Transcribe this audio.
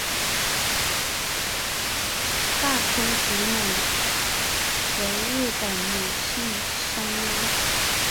大空直美为日本女性声优。